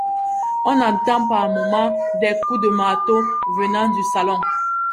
On entend par moment des coups de marteau venant du salon.